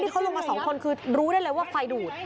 เขาลงมา๒คนคือรู้ได้เลยว่าไฟดูด